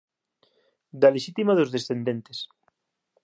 Da lexítima dos descendentes